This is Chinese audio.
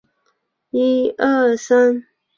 回忆时甜蜜的滋味